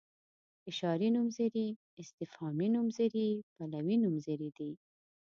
اشاري نومځري استفهامي نومځري پلوي نومځري دي.